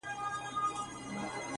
ایوبه توره دي د چا تر لاسه ورسېده-